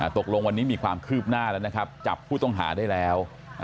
ตกลงวันนี้มีความคืบหน้าแล้วนะครับจับผู้ต้องหาได้แล้ว